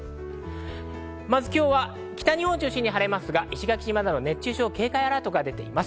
まず今日は北日本を中心に晴れますが、石垣島など熱中症警戒アラートが出ています。